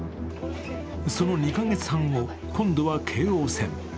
その２カ月半後、今度は京王線。